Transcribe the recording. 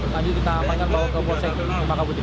lalu kita amankan bawa ke polsek cempaka putih